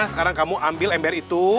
sekarang kamu ambil ember itu